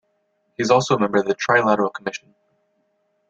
He is also a member of the Trilateral Commission.